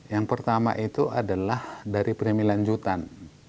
yang pertama itu adalah dari premi lanjutan